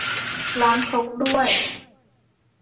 ล้างครกด้วย